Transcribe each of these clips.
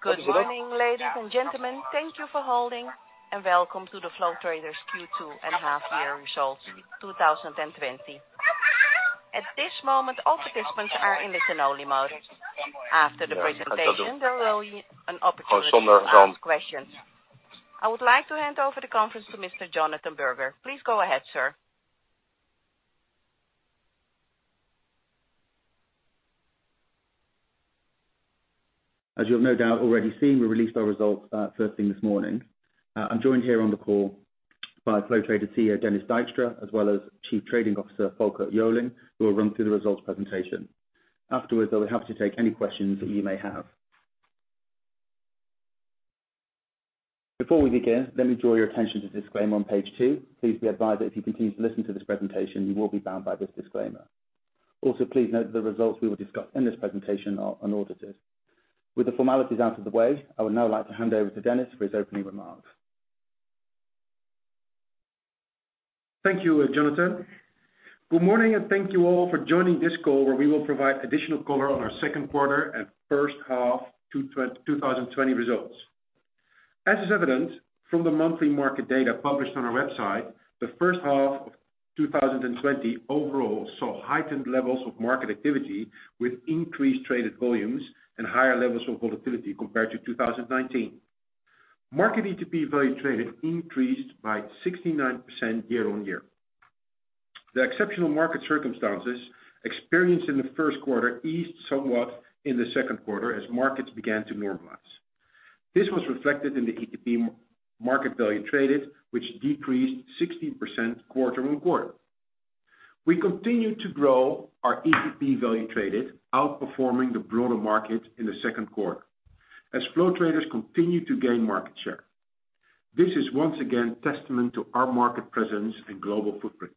Good morning, ladies and gentlemen. Thank you for holding, and welcome to the Flow Traders Q2 and Half-Year Results 2020. At this moment, all participants are in listen-only mode. After the presentation, there will be an opportunity to ask questions. I would like to hand over the conference to Mr. Jonathan Berger. Please go ahead, sir. As you have no doubt already seen, we released our results first thing this morning. I'm joined here on the call by Flow Traders CEO Dennis Dijkstra, as well as Chief Trading Officer Folkert Joling, who will run through the results presentation. Afterwards, I'll be happy to take any questions that you may have. Before we begin, let me draw your attention to the disclaimer on page two. Please be advised that if you continue to listen to this presentation, you will be bound by this disclaimer. Also, please note that the results we will discuss in this presentation are unaudited. With the formalities out of the way, I would now like to hand over to Dennis for his opening remarks. Thank you, Jonathan. Good morning, and thank you all for joining this call, where we will provide additional color on our second quarter and first half 2020 results. As is evident from the monthly market data published on our website, the first half of 2020 overall saw heightened levels of market activity with increased traded volumes and higher levels of volatility compared to 2019. Market ETP value traded increased by 69% year-on-year. The exceptional market circumstances experienced in the first quarter eased somewhat in the second quarter as markets began to normalize. This was reflected in the ETP market value traded, which decreased 16% quarter on quarter. We continued to grow our ETP value traded, outperforming the broader market in the second quarter as Flow Traders continued to gain market share. This is once again a testament to our market presence and global footprint.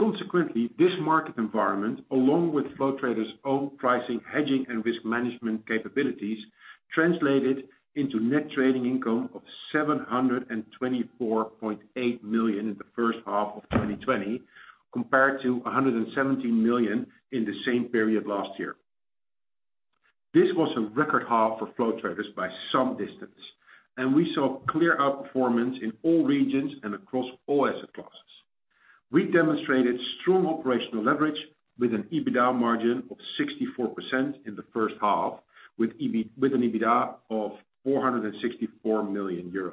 Consequently, this market environment, along with Flow Traders' own pricing, hedging, and risk management capabilities, translated into net trading income of 724.8 million in the first half of 2020, compared to 117 million in the same period last year. This was a record high for Flow Traders by some distance, and we saw clear outperformance in all regions and across all asset classes. We demonstrated strong operational leverage with an EBITDA margin of 64% in the first half, with an EBITDA of 464 million euros.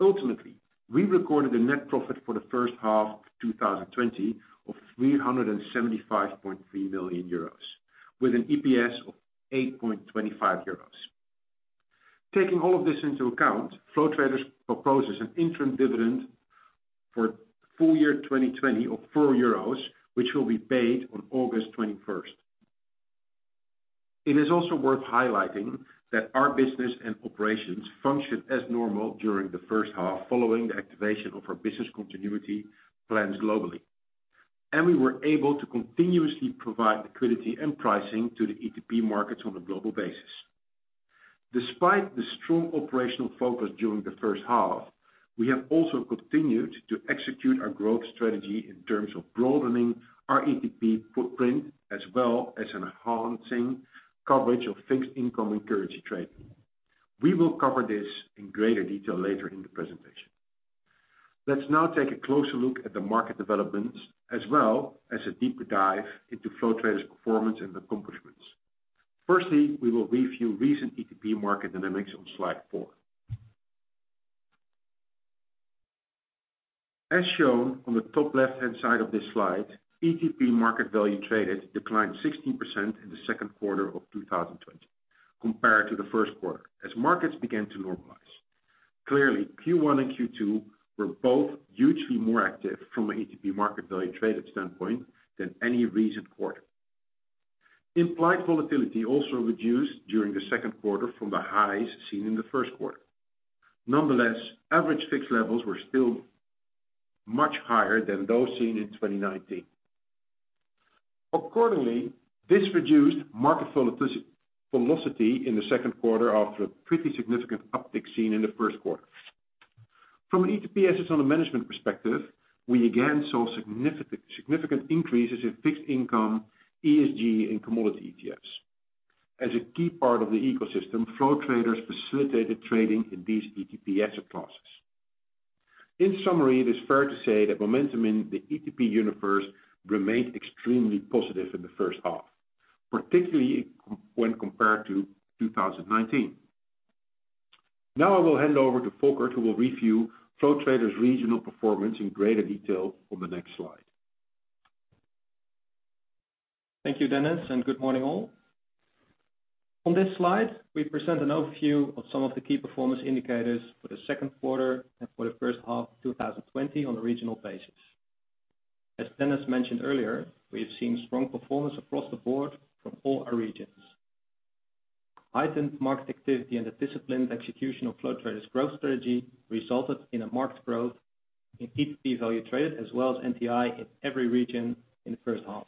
Ultimately, we recorded a net profit for the first half of 2020 of 375.3 million euros, with an EPS of 8.25 euros. Taking all of this into account, Flow Traders proposes an interim dividend for full year 2020 of 4 euros, which will be paid on August 21st. It is also worth highlighting that our business and operations functioned as normal during the first half following the activation of our business continuity plans globally, and we were able to continuously provide liquidity and pricing to the ETP markets on a global basis. Despite the strong operational focus during the first half, we have also continued to execute our growth strategy in terms of broadening our ETP footprint, as well as enhancing coverage of fixed income and currency trading. We will cover this in greater detail later in the presentation. Let's now take a closer look at the market developments, as well as a deeper dive into Flow Traders' performance and accomplishments. Firstly, we will review recent ETP market dynamics on slide four. As shown on the top left-hand side of this slide, ETP market value traded declined 16% in the second quarter of 2020 compared to the first quarter as markets began to normalize. Clearly, Q1 and Q2 were both hugely more active from an ETP market value traded standpoint than any recent quarter. Implied volatility also reduced during the second quarter from the highs seen in the first quarter. Nonetheless, average fixed levels were still much higher than those seen in 2019. Accordingly, this reduced market volatility in the second quarter after a pretty significant uptick seen in the first quarter. From an ETP assets under management perspective, we again saw significant increases in fixed income, ESG, and commodity ETFs. As a key part of the ecosystem, Flow Traders facilitated trading in these ETP asset classes. In summary, it is fair to say that momentum in the ETP universe remained extremely positive in the first half, particularly when compared to 2019. Now I will hand over to Folkert, who will review Flow Traders' regional performance in greater detail on the next slide. Thank you, Dennis, and good morning, all. On this slide, we present an overview of some of the key performance indicators for the second quarter and for the first half of 2020 on a regional basis. As Dennis mentioned earlier, we have seen strong performance across the board from all our regions. Heightened market activity and the disciplined execution of Flow Traders' growth strategy resulted in a marked growth in ETP value traded, as well as NTI in every region in the first half.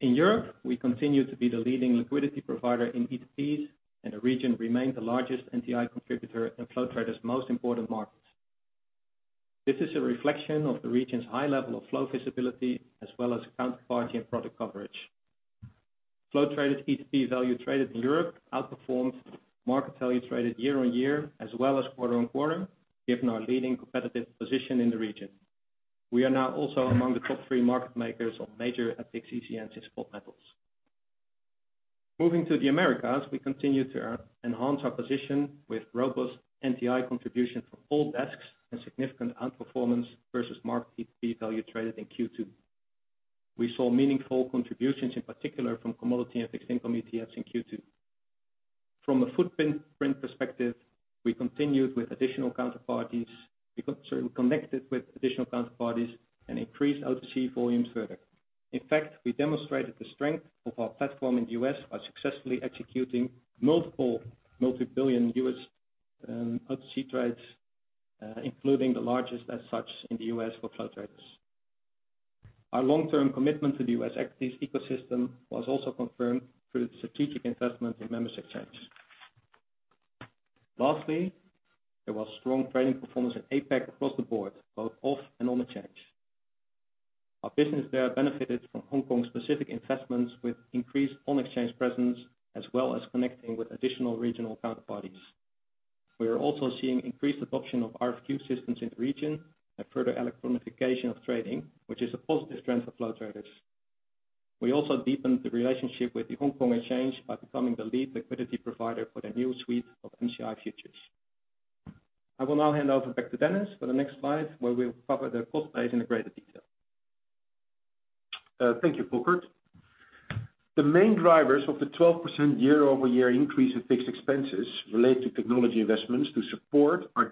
In Europe, we continue to be the leading liquidity provider in ETPs, and the region remains the largest NTI contributor in Flow Traders' most important markets. This is a reflection of the region's high level of flow visibility, as well as counterparty and product coverage. Flow Traders' ETP value traded in Europe outperformed market value traded year-on-year, as well as quarter on quarter, given our leading competitive position in the region. We are now also among the top three market makers on major FX ECNs in spot metals. Moving to the Americas, we continue to enhance our position with robust NTI contribution from all desks and significant outperformance versus market ETP value traded in Q2. We saw meaningful contributions, in particular from commodity and fixed income ETFs in Q2. From a footprint perspective, we connected with additional counterparties and increased OTC volumes further. In fact, we demonstrated the strength of our platform in the U.S. by successfully executing multiple multi-billion USD OTC trades, including the largest as such in the U.S. for Flow Traders. Our long-term commitment to the US equities ecosystem was also confirmed through the strategic investment in MEMX. Lastly, there was strong trading performance in APAC across the board, both off and on exchange. Our business there benefited from Hong Kong-specific investments with increased on-exchange presence, as well as connecting with additional regional counterparties. We are also seeing increased adoption of RFQ systems in the region and further electronification of trading, which is a positive trend for Flow Traders. We also deepened the relationship with the Hong Kong Exchange by becoming the lead liquidity provider for the new suite of MSCI futures. I will now hand over back to Dennis for the next slide, where we will cover the cost base in greater detail. Thank you, Folkert. The main drivers of the 12% year-over-year increase in fixed expenses relate to technology investments to support our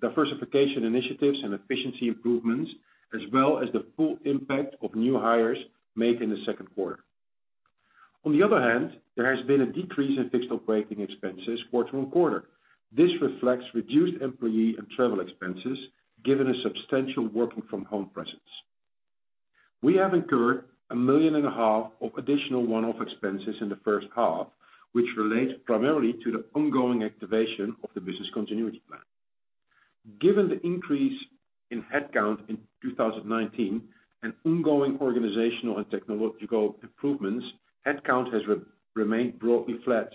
diversification initiatives and efficiency improvements, as well as the full impact of new hires made in the second quarter. On the other hand, there has been a decrease in fixed operating expenses quarter on quarter. This reflects reduced employee and travel expenses, given a substantial working-from-home presence. We have incurred 1.5 million of additional one-off expenses in the first half, which relates primarily to the ongoing activation of the Business Continuity Plan. Given the increase in headcount in 2019 and ongoing organizational and technological improvements, headcount has remained broadly flat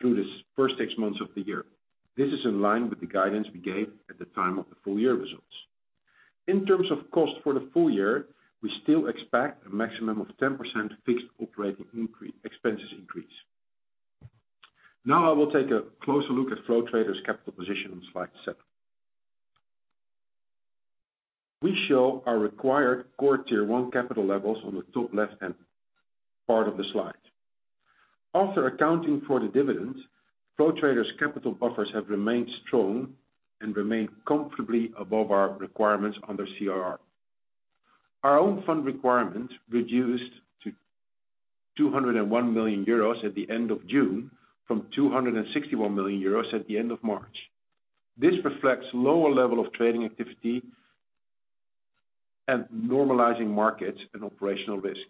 through the first six months of the year. This is in line with the guidance we gave at the time of the full year results. In terms of cost for the full year, we still expect a maximum of 10% fixed operating expenses increase. Now I will take a closer look at Flow Traders' capital position on slide seven. We show our required quarter Tier 1 capital levels on the top left-hand part of the slide. After accounting for the dividends, Flow Traders' capital buffers have remained strong and remain comfortably above our requirements under CRR. Our own fund requirements reduced to 201 million euros at the end of June from 261 million euros at the end of March. This reflects a lower level of trading activity and normalizing markets and operational risk.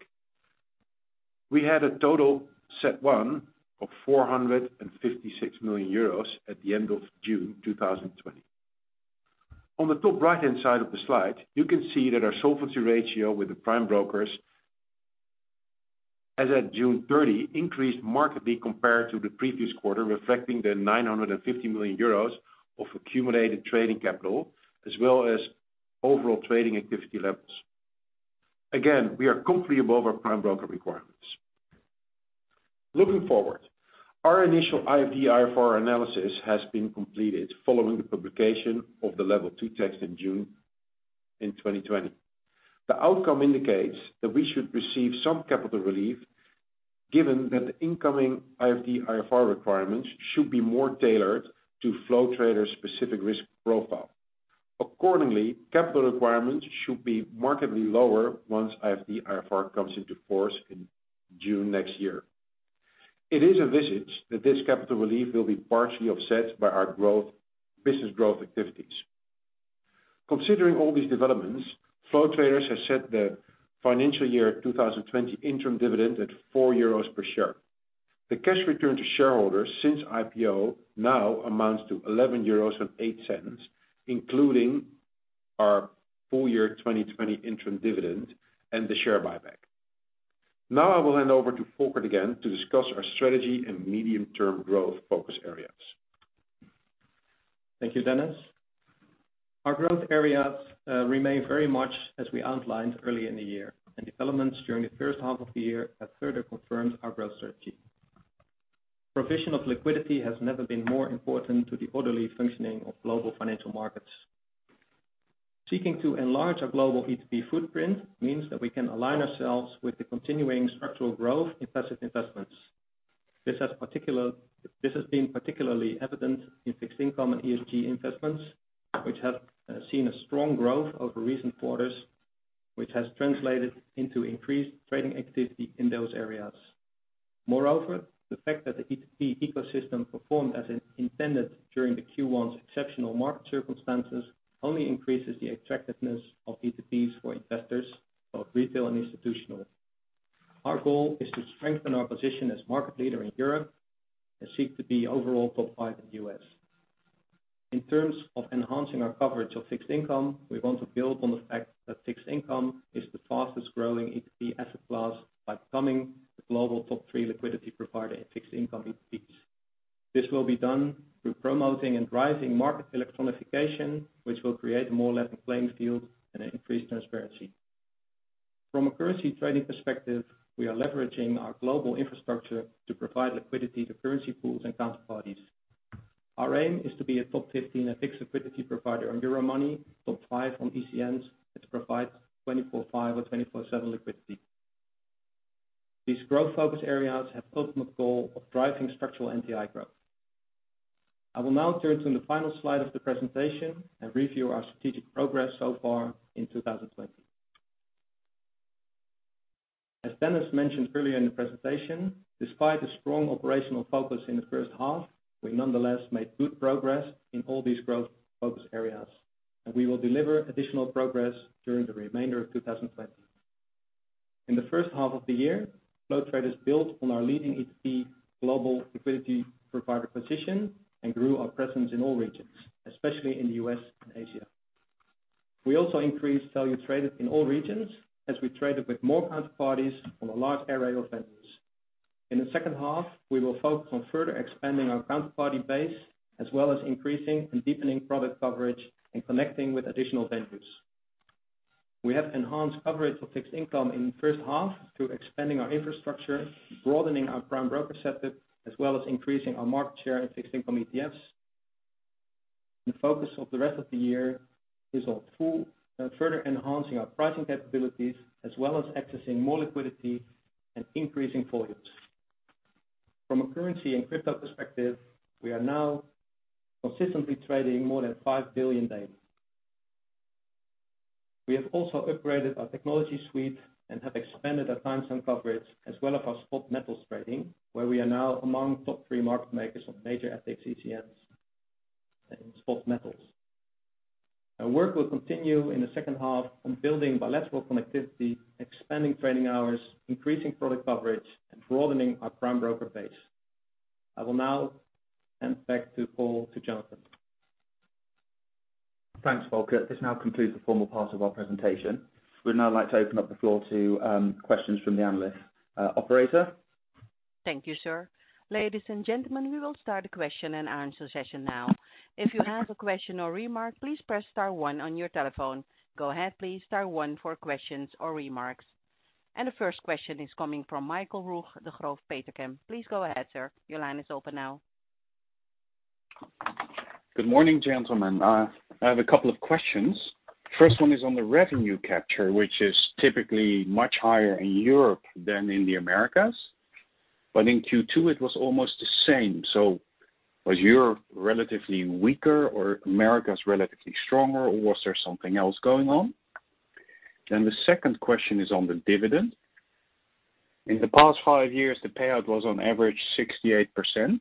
We had a total Tier 1 of 456 million euros at the end of June 2020. On the top right-hand side of the slide, you can see that our solvency ratio with the prime brokers as of June 30 increased markedly compared to the previous quarter, reflecting the 950 million euros of accumulated trading capital, as well as overall trading activity levels. Again, we are completely above our prime broker requirements. Looking forward, our initial IFD IFR analysis has been completed following the publication of the Level 2 text in June in 2020. The outcome indicates that we should receive some capital relief, given that the incoming IFD IFR requirements should be more tailored to Flow Traders' specific risk profile. Accordingly, capital requirements should be markedly lower once IFD IFR comes into force in June next year. It is envisaged that this capital relief will be partially offset by our business growth activities. Considering all these developments, Flow Traders has set the financial year 2020 interim dividend at 4 euros per share. The cash return to shareholders since IPO now amounts to 11.08 euros, including our full year 2020 interim dividend and the share buyback. Now I will hand over to Folkert again to discuss our strategy and medium-term growth focus areas. Thank you, Dennis. Our growth areas remain very much as we outlined early in the year, and developments during the first half of the year have further confirmed our growth strategy. Provision of liquidity has never been more important to the orderly functioning of global financial markets. Seeking to enlarge our global ETP footprint means that we can align ourselves with the continuing structural growth in passive investments. This has been particularly evident in fixed income and ESG investments, which have seen a strong growth over recent quarters, which has translated into increased trading activity in those areas. Moreover, the fact that the ETP ecosystem performed as intended during the Q1's exceptional market circumstances only increases the attractiveness of ETPs for investors, both retail and institutional. Our goal is to strengthen our position as market leader in Europe and seek to be overall top five in the U.S. In terms of enhancing our coverage of fixed income, we want to build on the fact that fixed income is the fastest growing ETP asset class by becoming the global top three liquidity provider in fixed income ETPs. This will be done through promoting and driving market electronification, which will create a more level playing field and increased transparency. From a currency trading perspective, we are leveraging our global infrastructure to provide liquidity to currency pools and counterparties. Our aim is to be a top 15 FX liquidity provider on Euromoney, top five on ECNs, and to provide 24/5 or 24/7 liquidity. These growth focus areas have the ultimate goal of driving structural NTI growth. I will now turn to the final slide of the presentation and review our strategic progress so far in 2020. As Dennis mentioned earlier in the presentation, despite the strong operational focus in the first half, we nonetheless made good progress in all these growth focus areas, and we will deliver additional progress during the remainder of 2020. In the first half of the year, Flow Traders built on our leading ETP global liquidity provider position and grew our presence in all regions, especially in the U.S. and Asia. We also increased value traded in all regions as we traded with more counterparties on a large array of venues. In the second half, we will focus on further expanding our counterparty base, as well as increasing and deepening product coverage and connecting with additional venues. We have enhanced coverage of fixed income in the first half through expanding our infrastructure, broadening our prime broker setup, as well as increasing our market share in fixed income ETFs. The focus of the rest of the year is on further enhancing our pricing capabilities, as well as accessing more liquidity and increasing volumes. From a currency and crypto perspective, we are now consistently trading more than 5 billion daily. We have also upgraded our technology suite and have expanded our timezone coverage, as well as our spot metals trading, where we are now among top three market makers of major FX ECNs and spot metals. Our work will continue in the second half on building bilateral connectivity, expanding trading hours, increasing product coverage, and broadening our prime broker base. I will now hand back to the call to Jonathan. Thanks, Folkert. This now concludes the formal part of our presentation. We'd now like to open up the floor to questions from the analyst. Operator. Thank you, sir. Ladies and gentlemen, we will start the question and answer session now. If you have a question or remark, please press star one on your telephone. Go ahead, please, star one for questions or remarks. And the first question is coming from Michael Roeg, Degroof Petercam. Please go ahead, sir. Your line is open now. Good morning, gentlemen. I have a couple of questions. First one is on the revenue capture, which is typically much higher in Europe than in the Americas. But in Q2, it was almost the same, so was Europe relatively weaker or America's relatively stronger, or was there something else going on? Then the second question is on the dividend. In the past five years, the payout was on average 68%,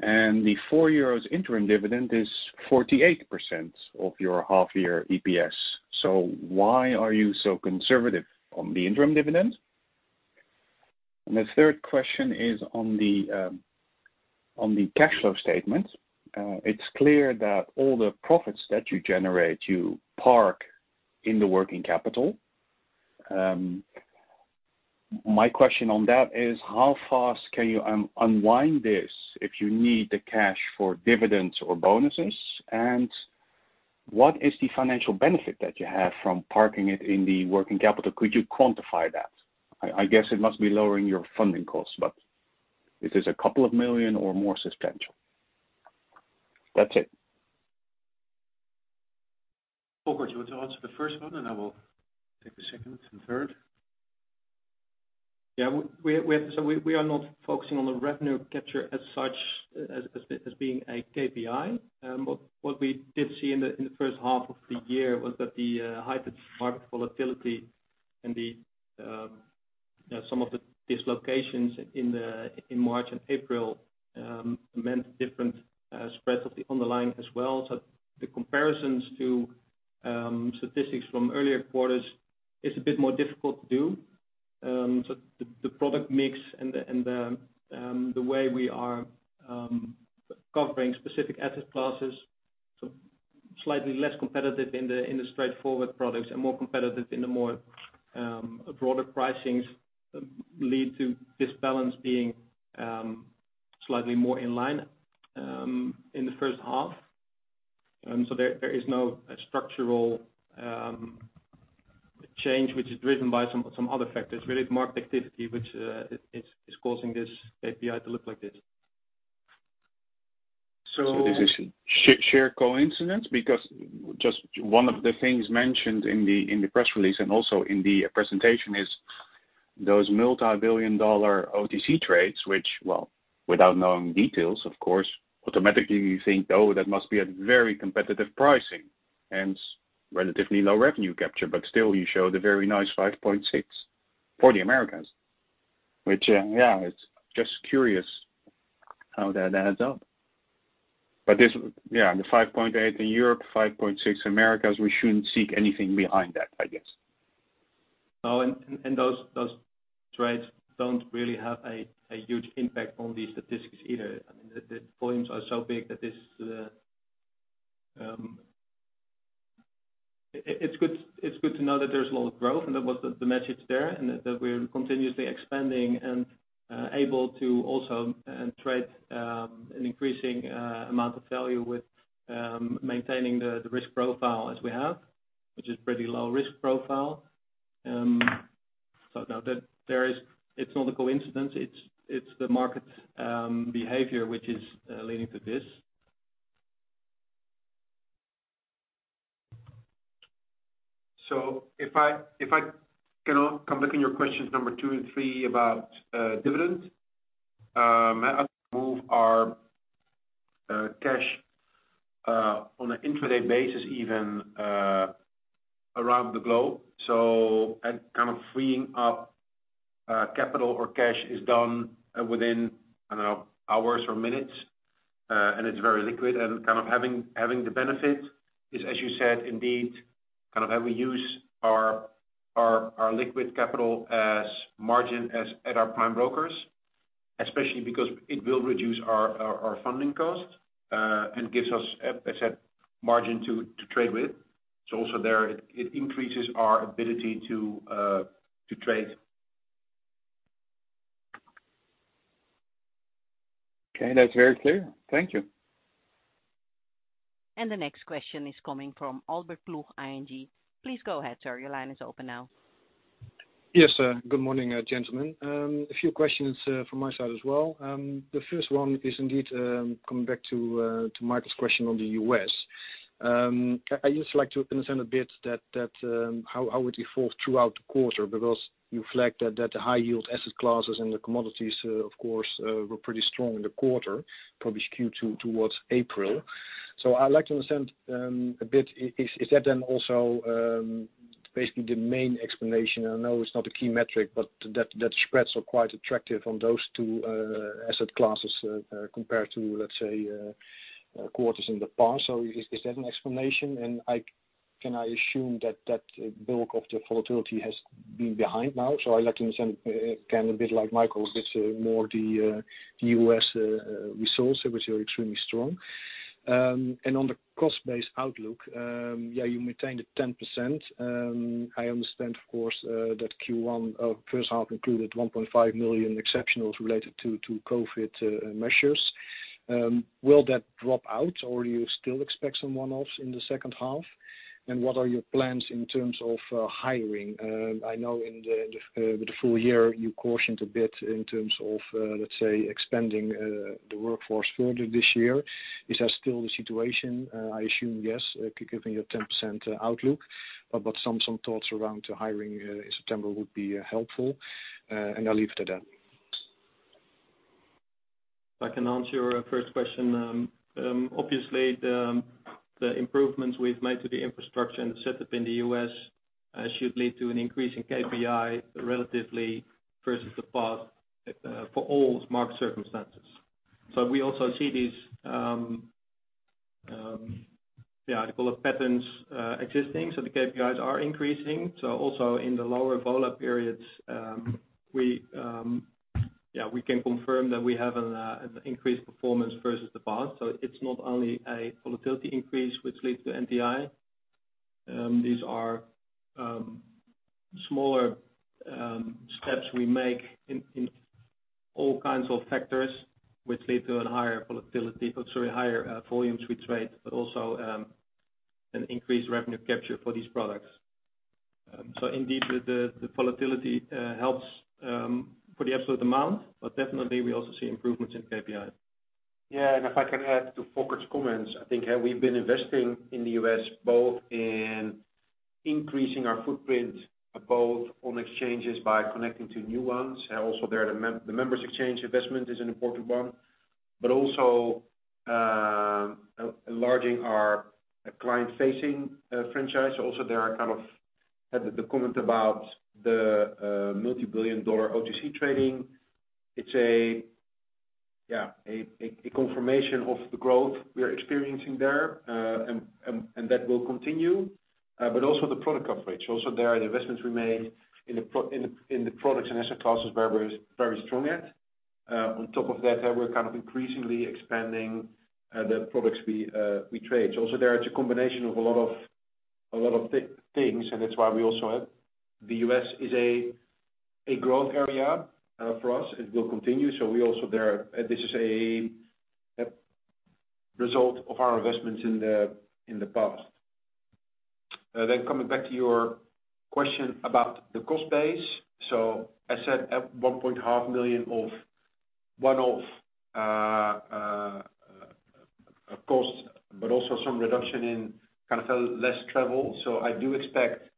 and the 4 euros interim dividend is 48% of your half-year EPS. So why are you so conservative on the interim dividend? And the third question is on the cash flow statement. It's clear that all the profits that you generate, you park in the working capital. My question on that is, how fast can you unwind this if you need the cash for dividends or bonuses? What is the financial benefit that you have from parking it in the working capital? Could you quantify that? I guess it must be lowering your funding costs, but is this a couple of million or more substantial? That's it. Folkert, you want to answer the first one, and I will take the second and third. Yeah, we are not focusing on the revenue capture as such as being a KPI. What we did see in the first half of the year was that the height of market volatility and some of the dislocations in March and April meant different spreads of the underlying as well. So the comparisons to statistics from earlier quarters is a bit more difficult to do. So the product mix and the way we are covering specific asset classes, slightly less competitive in the straightforward products and more competitive in the more broader pricings, lead to this balance being slightly more in line in the first half. So there is no structural change, which is driven by some other factors, really market activity, which is causing this KPI to look like this. So this is sheer coincidence? Because just one of the things mentioned in the press release and also in the presentation is those multi-billion-dollar OTC trades, which, well, without knowing details, of course, automatically you think, oh, that must be a very competitive pricing and relatively low revenue capture. But still, you show the very nice 5.6 for the Americas, which, yeah, it's just curious how that adds up. But yeah, the 5.8 in Europe, 5.6 in Americas, we shouldn't seek anything behind that, I guess. And those trades don't really have a huge impact on these statistics either. The volumes are so big that it's good to know that there's a lot of growth and that was the message there, and that we're continuously expanding and able to also trade an increasing amount of value with maintaining the risk profile as we have, which is a pretty low risk profile. So it's not a coincidence. It's the market behavior which is leading to this. So if I can look in your questions number two and three about dividends, I move our cash on an intraday basis even around the globe. So kind of freeing up capital or cash is done within, I don't know, hours or minutes, and it's very liquid. And kind of having the benefit is, as you said, indeed, kind of how we use our liquid capital as margin at our prime brokers, especially because it will reduce our funding cost and gives us, as I said, margin to trade with. So also there, it increases our ability to trade. Okay, that's very clear. Thank you. The next question is coming from Albert Ploegh, ING. Please go ahead, sir. Your line is open now. Yes, good morning, gentlemen. A few questions from my side as well. The first one is indeed coming back to Michael's question on the US. I just like to understand a bit how it evolved throughout the quarter, because you flagged that the high-yield asset classes and the commodities, of course, were pretty strong in the quarter, probably skewed towards April. So I'd like to understand a bit, is that then also basically the main explanation? I know it's not a key metric, but that spreads are quite attractive on those two asset classes compared to, let's say, quarters in the past. So is that an explanation? And can I assume that that bulk of the volatility has been behind now? So I'd like to understand, again, a bit like Michael, a bit more the US revenues, which are extremely strong. And on the cost base outlook, yeah, you maintained 10%. I understand, of course, that Q1, first half included 1.5 million exceptionals related to COVID measures. Will that drop out, or do you still expect some one-offs in the second half? And what are your plans in terms of hiring? I know with the full year, you cautioned a bit in terms of, let's say, expanding the workforce further this year. Is that still the situation? I assume, yes, given your 10% outlook. And I'll leave it at that. I can answer your first question. Obviously, the improvements we've made to the infrastructure and the setup in the U.S. should lead to an increase in KPI relatively versus the past for all market circumstances. So we also see these, yeah, I call it patterns existing. So the KPIs are increasing. So also in the lower volatile periods, yeah, we can confirm that we have an increased performance versus the past. So it's not only a volatility increase, which leads to NTI. These are smaller steps we make in all kinds of factors, which lead to a higher volatility, sorry, higher volumes we trade, but also an increased revenue capture for these products. So indeed, the volatility helps for the absolute amount, but definitely we also see improvements in KPI. Yeah, and if I can add to Folkert's comments, I think we've been investing in the U.S. both in increasing our footprint, both on exchanges by connecting to new ones. Also, the Members Exchange investment is an important one, but also enlarging our client-facing franchise. Also, there are kind of the comment about the multi-billion dollar OTC trading. It's a, yeah, a confirmation of the growth we are experiencing there, and that will continue. But also the product coverage. Also, there are the investments we made in the products and asset classes where we're very strong at. On top of that, we're kind of increasingly expanding the products we trade. So also there, it's a combination of a lot of things, and that's why we also have the U.S. is a growth area for us. It will continue. So we also there, this is a result of our investments in the past. Then coming back to your question about the cost base. So I said 1.5 million of one-off costs, but also some reduction in kind of less travel. So I do expect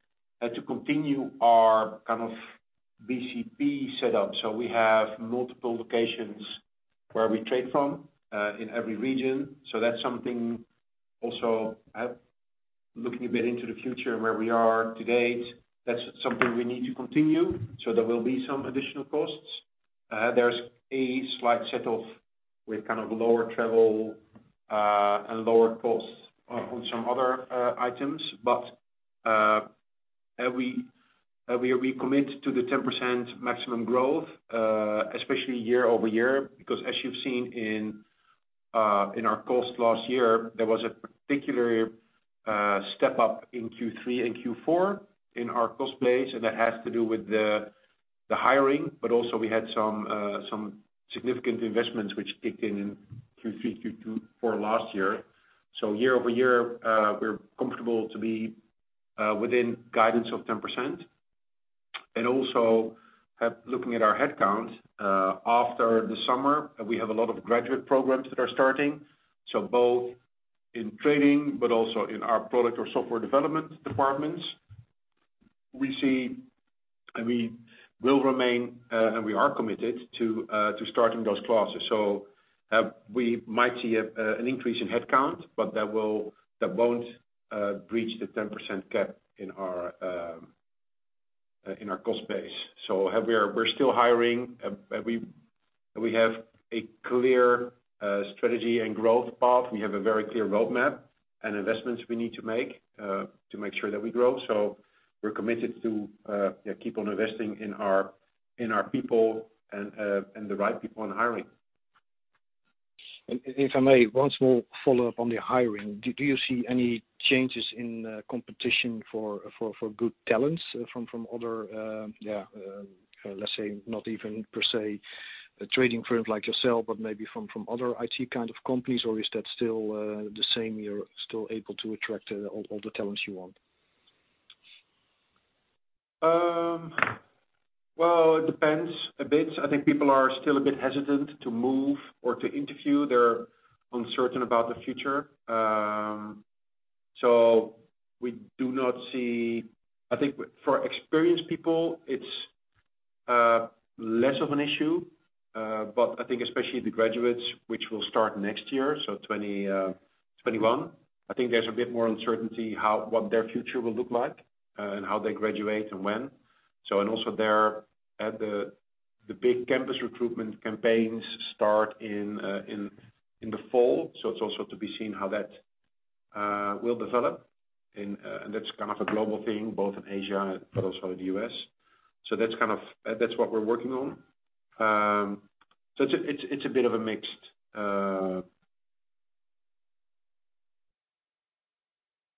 to continue our kind of BCP setup. So we have multiple locations where we trade from in every region. So that's something also looking a bit into the future and where we are today. That's something we need to continue. So there will be some additional costs. There's a slight setup with kind of lower travel and lower costs on some other items. But we commit to the 10% maximum growth, especially year over year, because as you've seen in our cost last year, there was a particular step up in Q3 and Q4 in our cost base, and that has to do with the hiring. But also we had some significant investments which kicked in in Q3, Q2 for last year. So year over year, we're comfortable to be within guidance of 10%. And also looking at our headcount after the summer, we have a lot of graduate programs that are starting. So both in trading, but also in our product or software development departments, we see we will remain and we are committed to starting those classes. So we might see an increase in headcount, but that won't breach the 10% cap in our cost base. So we're still hiring. We have a clear strategy and growth path. We have a very clear roadmap and investments we need to make to make sure that we grow, so we're committed to keep on investing in our people and the right people in hiring. If I may, one small follow-up on the hiring. Do you see any changes in competition for good talents from other, yeah, let's say, not even per se trading firms like yourself, but maybe from other IT kind of companies? Or is that still the same? You're still able to attract all the talents you want? It depends a bit. I think people are still a bit hesitant to move or to interview. They're uncertain about the future. We do not see. I think for experienced people, it's less of an issue. But I think especially the graduates, which will start next year, so 2021, I think there's a bit more uncertainty how their future will look like and how they graduate and when. And also the big campus recruitment campaigns start in the fall. It's also to be seen how that will develop. And that's kind of a global thing, both in Asia, but also in the US. That's kind of what we're working on. It's a bit of a mixed.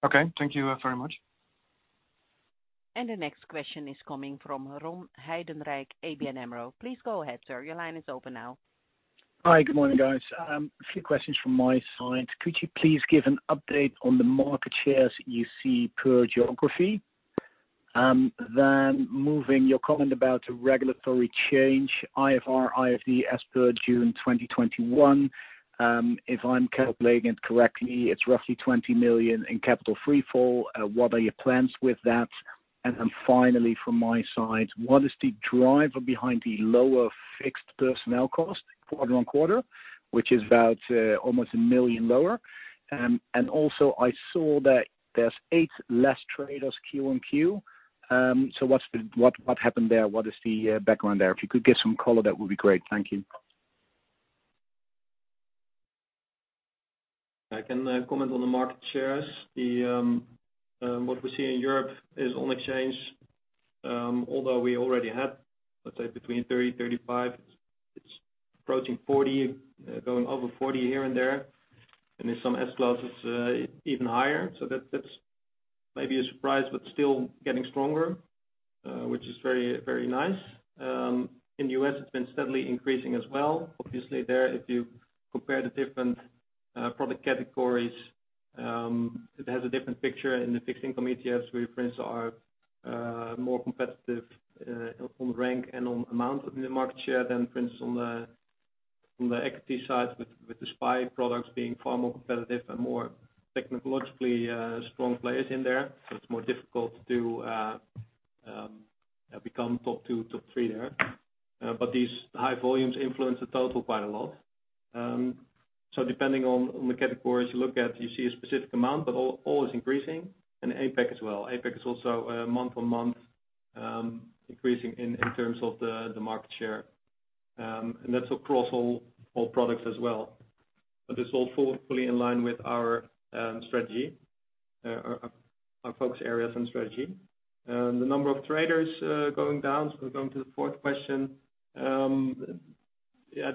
Okay, thank you very much. The next question is coming from Ron Heijdenrijk, ABN AMRO. Please go ahead, sir. Your line is open now. Hi, good morning, guys. A few questions from my side. Could you please give an update on the market shares you see per geography? Then, moving to your comment about the regulatory change, IFR, IFD as per June 2021, if I'm calculating it correctly, it's roughly 20 million in capital relief. What are your plans with that? And then finally, from my side, what is the driver behind the lower fixed personnel cost quarter on quarter, which is about almost 1 million lower? And also I saw that there's eight less traders Q-on-Q. So what happened there? What is the background there? If you could give some color, that would be great. Thank you. I can comment on the market shares. What we see in Europe is on exchange, although we already had, let's say, between 30, 35; it's approaching 40, going over 40 here and there, and there's some asset classes even higher, so that's maybe a surprise, but still getting stronger, which is very, very nice. In the US, it's been steadily increasing as well. Obviously, there, if you compare the different product categories, it has a different picture in the fixed income ETFs, where players are more competitive on rank and on amount of the market share than players on the equity side, with the SPY products being far more competitive and more technologically strong players in there, so it's more difficult to become top two, top three there, but these high volumes influence the total quite a lot. So depending on the categories you look at, you see a specific amount, but all is increasing. And APAC as well. APAC is also month on month increasing in terms of the market share. And that's across all products as well. But it's all fully in line with our strategy, our focus areas and strategy. The number of traders going down. So we're going to the fourth question. Yeah,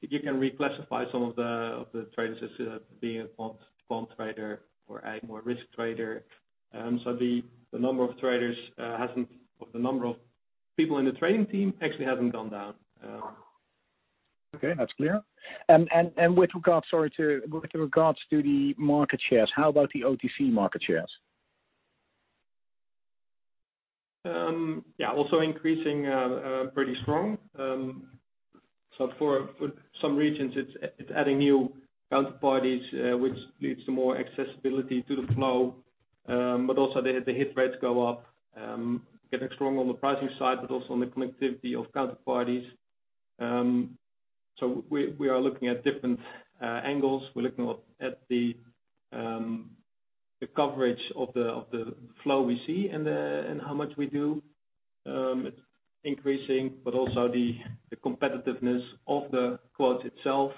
you can reclassify some of the traders as being a bond trader or a more risk trader. So the number of traders hasn't or the number of people in the trading team actually hasn't gone down. Okay, that's clear. And with regards to the market shares, how about the OTC market shares? Yeah, also increasing pretty strong. So for some regions, it's adding new counterparties, which leads to more accessibility to the flow. But also the hit rates go up, getting strong on the pricing side, but also on the connectivity of counterparties. So we are looking at different angles. We're looking at the coverage of the flow we see and how much we do. It's increasing, but also the competitiveness of the quote itself.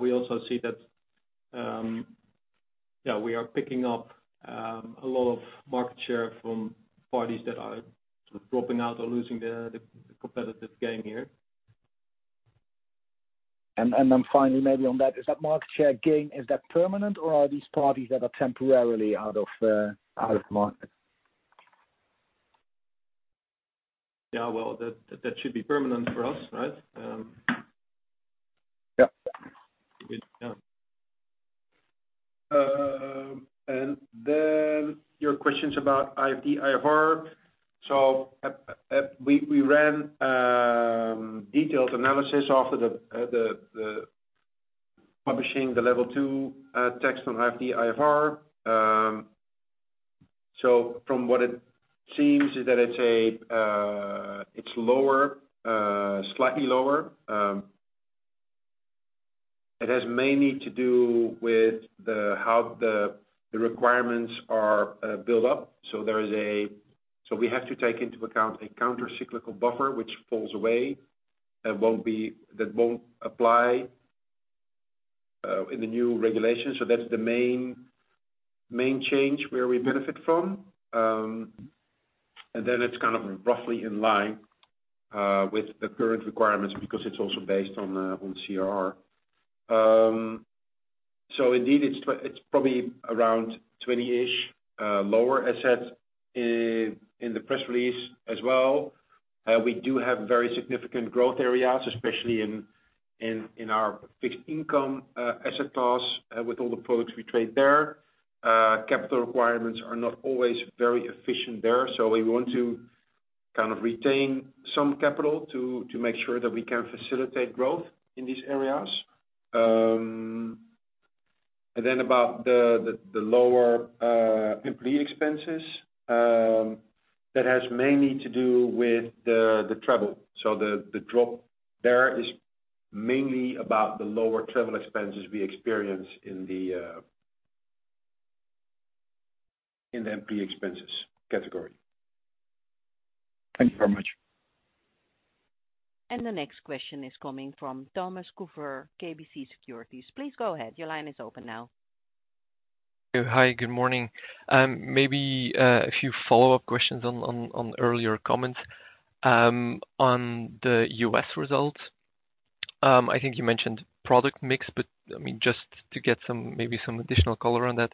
We also see that, yeah, we are picking up a lot of market share from parties that are dropping out or losing the competitive game here. Finally, maybe on that, is that market share gain, is that permanent, or are these parties that are temporarily out of the market? Yeah, well, that should be permanent for us, right? Yeah. And then your questions about IFD, IFR. So we ran detailed analysis after publishing the Level 2 text on IFD, IFR. So from what it seems is that it's lower, slightly lower. It has mainly to do with how the requirements are built up. So there is, so we have to take into account a countercyclical buffer, which falls away. That won't apply in the new regulation. So that's the main change where we benefit from. And then it's kind of roughly in line with the current requirements because it's also based on CRR. So indeed, it's probably around 20-ish lower assets in the press release as well. We do have very significant growth areas, especially in our fixed income asset class with all the products we trade there. Capital requirements are not always very efficient there. We want to kind of retain some capital to make sure that we can facilitate growth in these areas. About the lower employee expenses, that has mainly to do with the travel. The drop there is mainly about the lower travel expenses we experience in the employee expenses category. Thank you very much. The next question is coming from Thomas Couvreur, KBC Securities. Please go ahead. Your line is open now. Hi, good morning. Maybe a few follow-up questions on earlier comments on the U.S. results. I think you mentioned product mix, but I mean, just to get maybe some additional color on that.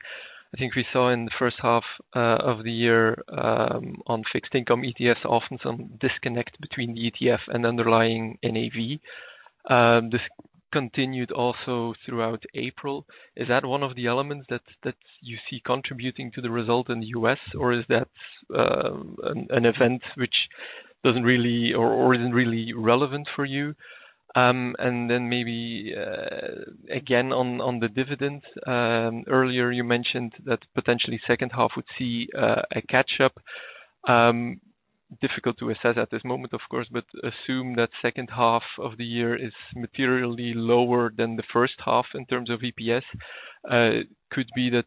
I think we saw in the first half of the year on fixed income ETFs, often some disconnect between the ETF and underlying NAV. This continued also throughout April. Is that one of the elements that you see contributing to the result in the U.S., or is that an event which doesn't really or isn't really relevant for you? And then maybe again on the dividends, earlier you mentioned that potentially second half would see a catch-up. Difficult to assess at this moment, of course, but assume that second half of the year is materially lower than the first half in terms of EPS. Could be that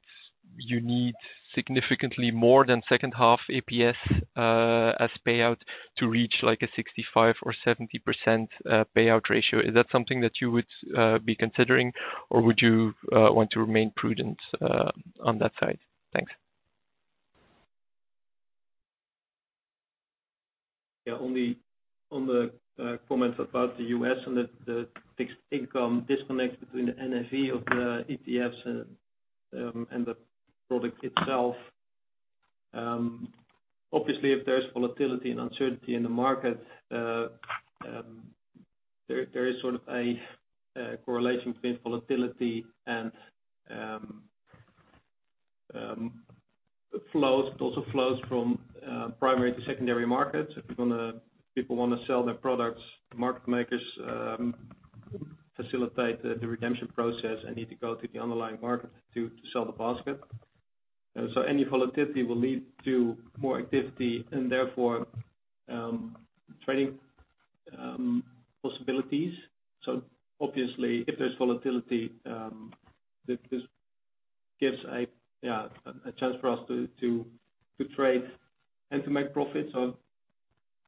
you need significantly more than second half EPS as payout to reach like a 65% or 70% payout ratio. Is that something that you would be considering, or would you want to remain prudent on that side? Thanks. Yeah, only on the comments about the U.S. and the fixed income disconnect between the NAV of the ETFs and the product itself. Obviously, if there's volatility and uncertainty in the market, there is sort of a correlation between volatility and flows, but also flows from primary to secondary markets. If people want to sell their products, market makers facilitate the redemption process and need to go to the underlying market to sell the basket. So any volatility will lead to more activity and therefore trading possibilities. So obviously, if there's volatility, this gives a chance for us to trade and to make profits. So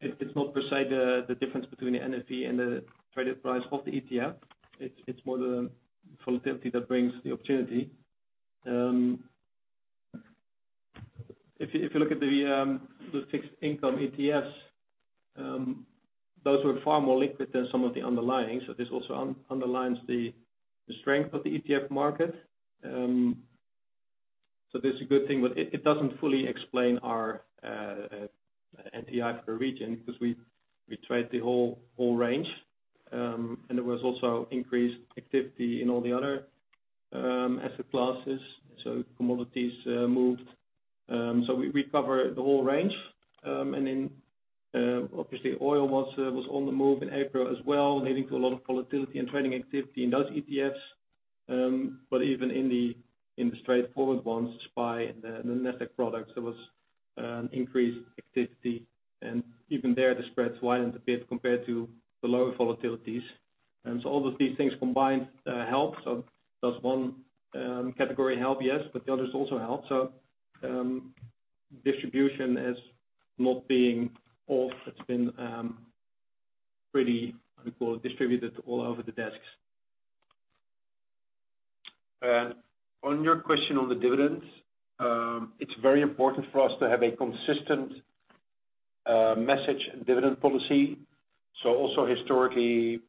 it's not per se the difference between the NAV and the traded price of the ETF. It's more the volatility that brings the opportunity. If you look at the fixed income ETFs, those were far more liquid than some of the underlying. So this also underlines the strength of the ETF market. So this is a good thing, but it doesn't fully explain our NTI for the region because we trade the whole range. And there was also increased activity in all the other asset classes. So commodities moved. So we cover the whole range. And then obviously, oil was on the move in April as well, leading to a lot of volatility and trading activity in those ETFs. But even in the straightforward ones, SPY and the NASDAQ products, there was increased activity. And even there, the spreads widened a bit compared to the lower volatilities. And so all of these things combined help. So does one category help? Yes, but the others also help. So distribution is not being off. It's been pretty distributed all over the desks. On your question on the dividends, it's very important for us to have a consistent message and dividend policy, so also historically,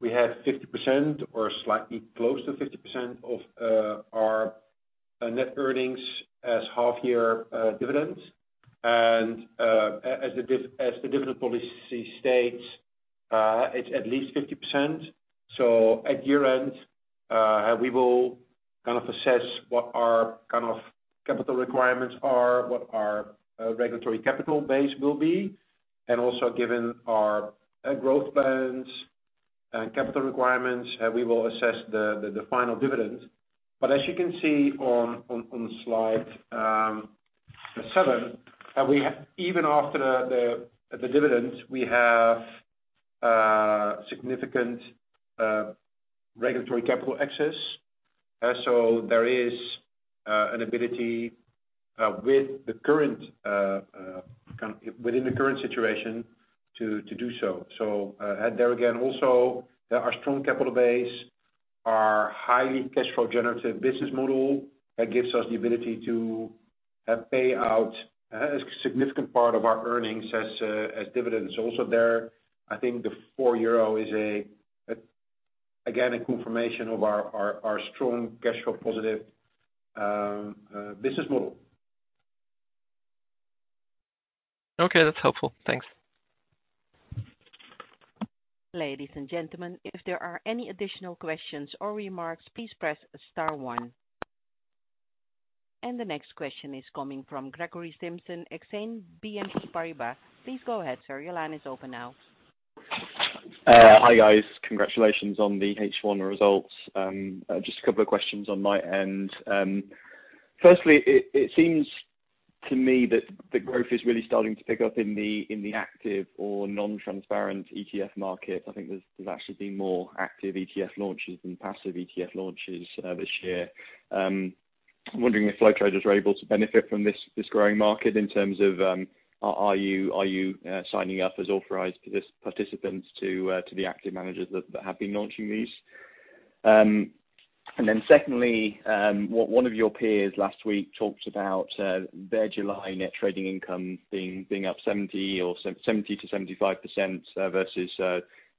we had 50% or slightly close to 50% of our net earnings as half-year dividends, and as the dividend policy states, it's at least 50%, so at year-end, we will kind of assess what our kind of capital requirements are, what our regulatory capital base will be, and also given our growth plans and capital requirements, we will assess the final dividend, but as you can see on slide seven, even after the dividends, we have significant regulatory capital excess, so there is an ability with the current kind of within the current situation to do so, so there again, also our strong capital base are highly cash-flow generative business model that gives us the ability to pay out a significant part of our earnings as dividends. Also there, I think the 4 euro is again a confirmation of our strong cash-flow positive business model. Okay, that's helpful. Thanks. Ladies and gentlemen, if there are any additional questions or remarks, please press star one. And the next question is coming from Gregory Simpson, Exane BNP Paribas. Please go ahead, sir. Your line is open now. Hi guys. Congratulations on the H1 results. Just a couple of questions on my end. Firstly, it seems to me that the growth is really starting to pick up in the active or non-transparent ETF market. I think there's actually been more active ETF launches than passive ETF launches this year. I'm wondering if Flow Traders are able to benefit from this growing market in terms of are you signing up as authorized participants to the active managers that have been launching these. And then secondly, one of your peers last week talked about their July net trading income being up 70% or 70%-75% versus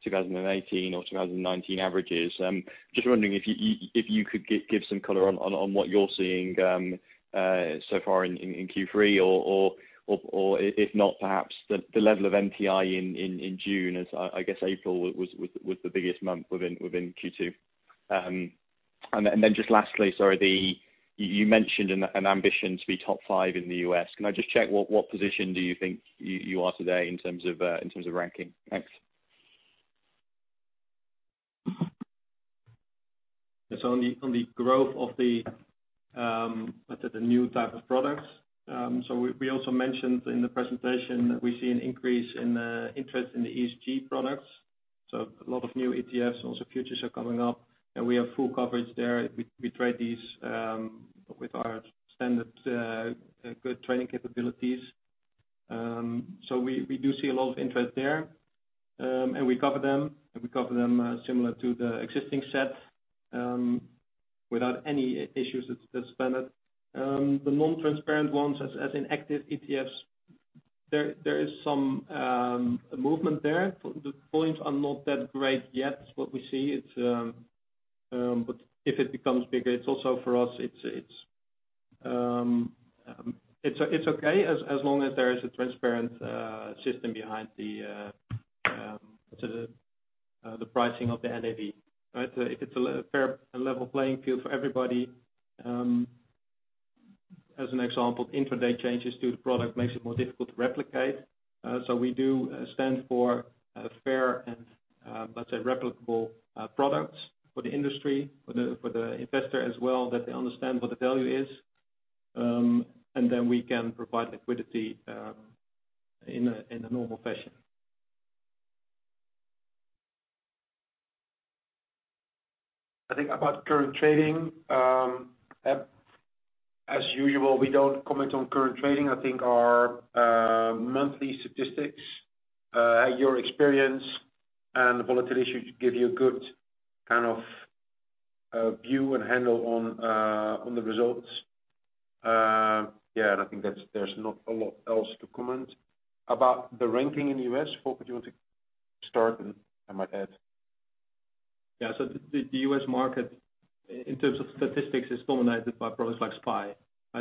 2018 or 2019 averages. Just wondering if you could give some color on what you're seeing so far in Q3, or if not, perhaps the level of NTI in June, as I guess April was the biggest month within Q2. And then just lastly, sorry, you mentioned an ambition to be top five in the U.S. Can I just check what position do you think you are today in terms of ranking? Thanks. It's on the growth of the new type of products. So we also mentioned in the presentation that we see an increase in interest in the ESG products. So a lot of new ETFs and also futures are coming up. And we have full coverage there. We trade these with our standard good trading capabilities. So we do see a lot of interest there. And we cover them. And we cover them similar to the existing set without any issues. That's the non-transparent ones as in active ETFs. There is some movement there. The volumes are not that great yet, what we see. But if it becomes bigger, it's also for us, it's okay as long as there is a transparent system behind the pricing of the NAV. So if it's a fair level playing field for everybody, as an example, intraday changes to the product makes it more difficult to replicate. So we do stand for fair and, let's say, replicable products for the industry, for the investor as well, that they understand what the value is. And then we can provide liquidity in a normal fashion. I think about current trading. As usual, we don't comment on current trading. I think our monthly statistics, your experience, and volatility should give you a good kind of view and handle on the results. Yeah, and I think there's not a lot else to comment. About the ranking in the U.S., Folkert, you want to start and I might add. Yeah, so the U.S. market in terms of statistics is dominated by products like SPY.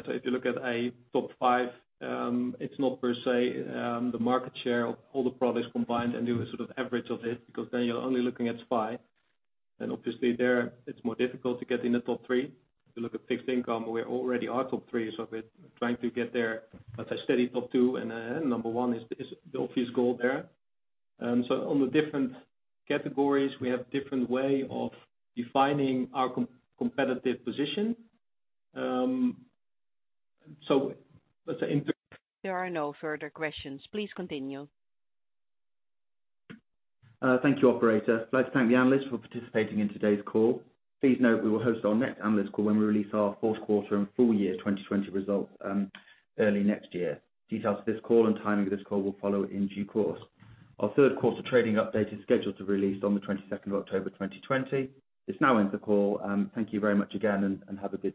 So if you look at a top five, it's not per se the market share of all the products combined and do a sort of average of it because then you're only looking at SPY. And obviously, there it's more difficult to get in the top three. If you look at fixed income, we already are top three. So we're trying to get there, let's say, steady top two and number one is the obvious goal there. So on the different categories, we have a different way of defining our competitive position. So let's say. There are no further questions. Please continue. Thank you, Operator. I'd like to thank the analysts for participating in today's call. Please note we will host our next analyst call when we release our fourth quarter and full year 2020 results early next year. Details of this call and timing of this call will follow in due course. Our third quarter trading update is scheduled to release on the 22nd of October 2020. This now ends the call. Thank you very much again and have a good.